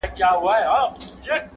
توره به یم خو د مکتب توره تخته یمه زه,